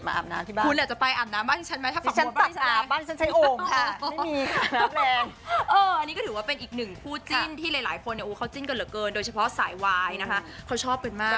อันนี้ก็ถือว่าเป็นอีกหนึ่งคู่จิ้นที่หลายคนเนี่ยเขาจิ้นกันเหลือเกินโดยเฉพาะสายวายนะคะเขาชอบกันมาก